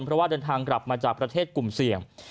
เพราะว่าเดินทางกลับมาจากประเทศกลุ่มเสี่ยง